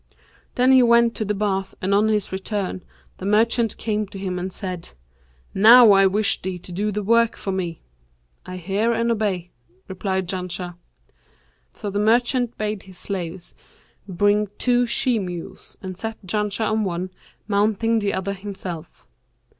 Then he went to the bath and on his return, the merchant came to him and said, 'Now I wish thee to do the work for me.' 'I hear and obey,' replied Janshah. So the merchant bade his slaves bring two she mules and set Janshah on one, mounting the other himself.